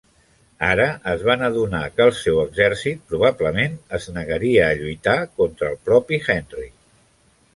Ara es van adonar que el seu exèrcit probablement es negaria a lluitar contra el propi Henry.